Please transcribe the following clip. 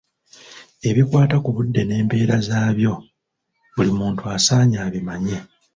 Ebikwata ku budde n'embeera zaabwo buli muntu asaanye abimaye.